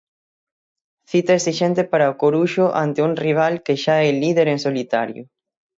Cita esixente para o Coruxo ante un rival que xa é líder en solitario.